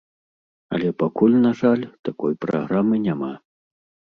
Але пакуль, на жаль, такой праграмы няма.